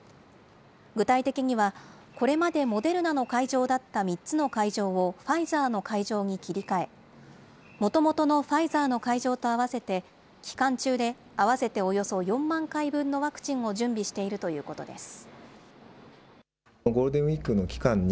具体的には、これまでモデルナの会場だった３つの会場をファイザーの会場に切り替え、もともとのファイザーの会場と合わせて、期間中で合わせておよそ４万回分のワクチンを準備しているということです。